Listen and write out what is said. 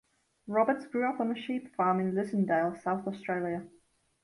Roberts grew up on a sheep farm in Lucindale, South Australia.